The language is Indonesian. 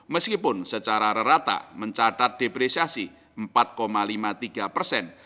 meskipun secara rata mencatat depresiasi empat lima puluh tiga persen